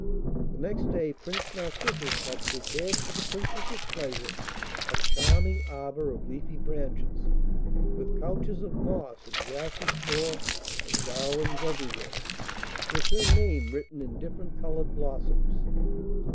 The next day Prince Narcissus had prepared for the Princess's pleasure a charming arbour of leafy branches, with couches of moss and grassy floor and garlands everywhere, with her name written in different coloured blossoms.